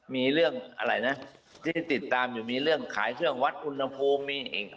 มีเรื่องอะไรนะที่ติดตามอยู่มีเรื่องขายเครื่องวัดอุณหภูมินี่